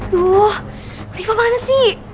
duh riffa mana sih